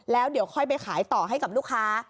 แล้วเดี๋ยวค่อยไปขายต่อให้กับลูกค้า